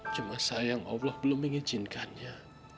cuma sayang allah belum mengizinkannya